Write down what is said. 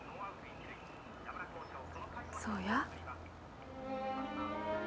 そうや。